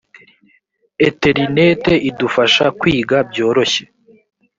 eterinete idufasha kwiga byoroshye.